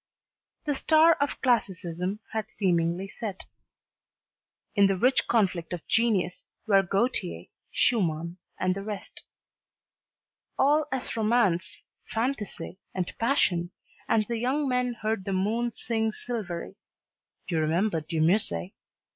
The star of classicism had seemingly set. In the rich conflict of genius were Gautier, Schumann, and the rest. All was romance, fantasy, and passion, and the young men heard the moon sing silvery you remember De Musset!